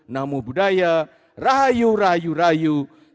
namu buddhaya rairu' rairu'